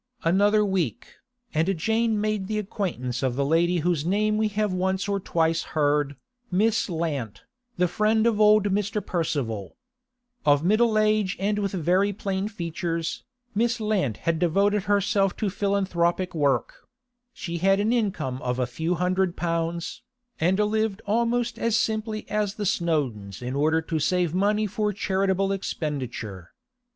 Another week, and Jane made the acquaintance of the lady whose name we have once or twice heard, Miss Lant, the friend of old Mr. Percival. Of middle age and with very plain features, Miss Lant had devoted herself to philanthropic work; she had an income of a few hundred pounds, and lived almost as simply as the Snowdons in order to save money for charitable expenditure.